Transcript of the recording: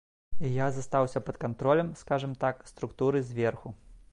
І я застаўся пад кантролем, скажам так, структуры зверху.